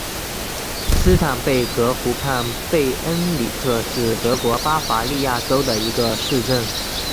施坦贝格湖畔贝恩里特是德国巴伐利亚州的一个市镇。